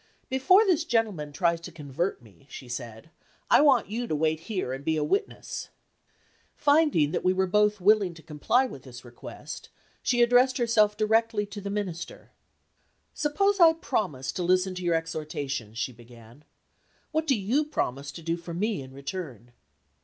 "Before this gentleman tries to convert me," she said, "I want you to wait here and be a witness." Finding that we were both willing to comply with this request, she addressed herself directly to the Minister. "Suppose I promise to listen to your exhortations," she began, "what do you promise to do for me in return?"